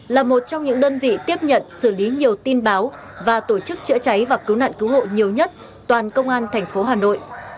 là một trong những đơn vị tiếp nhận xử lý nhiều tin báo và tổ chức chữa cháy và cứu nạn cứu hộ nhiều nhất toàn công an thành phố hà nội